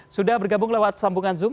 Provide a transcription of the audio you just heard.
sudah bergabung lewat sambungan zoom